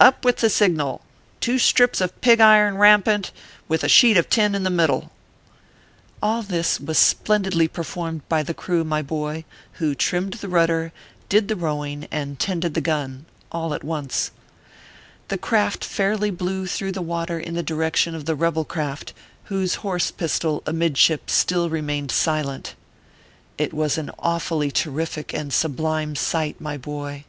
Up with the signal two strips of pig iron rampant, with a sheet of tin in the middle/ All this was splendidly performed by the crew, my boy, who trimmed the rudder, did the rowing, and tended the gun all at once. The craft fairly flew through the water in the direction of the rebel craft, whose horse pistol amidship still remained silent. ORPHEUS C. KERB PAPERS. 357 It was an awfully terrific and sublime sight, my boy.